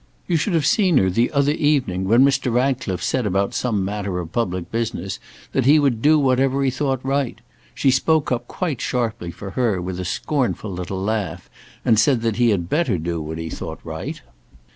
You should have seen her the other evening when Mr. Ratcliffe said about some matter of public business that he would do whatever she thought right; she spoke up quite sharply for her, with a scornful little laugh, and said that he had better do what he thought right.